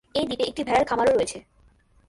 এই দ্বীপে একটি ভেড়ার খামারও রয়েছে।